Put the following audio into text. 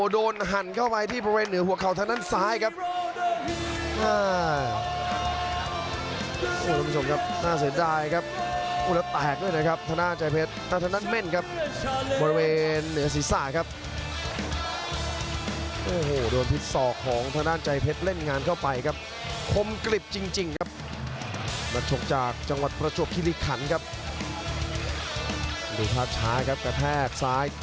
ดูภาพช้าครับกระแทกซ้าย